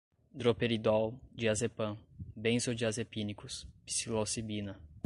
droperidol, diazepam, benzodiazepínicos, psilocibina